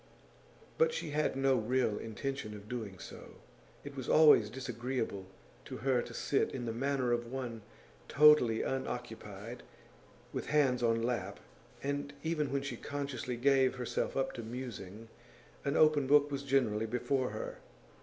But she had no real intention of doing so; it was always disagreeable to her to sit in the manner of one totally unoccupied, with hands on lap, and even when she consciously gave herself up to musing an open book was generally before her.